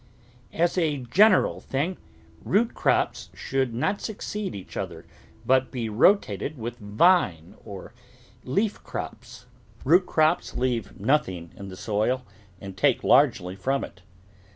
As a general thing, root crops should not succeed each other, but be rotated with vine or leaf crops. Root crops leave nothing in the soil and take largely from it.